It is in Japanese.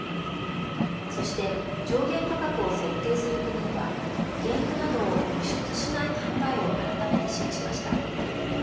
そして上限価格を設定する国には原油などを輸出しない考えを改めて示しました。